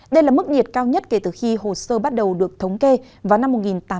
đây là mức nhiệt cao nhất kể từ khi hồ sơ bắt đầu được thống kê vào năm một nghìn tám trăm tám mươi